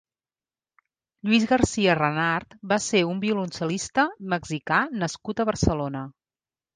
Lluís Garcia Renart va ser un violoncel·lista -mexicà nascut a Barcelona.